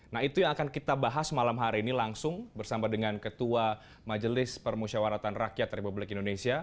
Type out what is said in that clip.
nah itu yang akan kita bahas malam hari ini langsung bersama dengan ketua majelis permusyawaratan rakyat republik indonesia